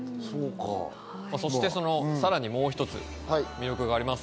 そして、そのさらにもう一つ魅力があります。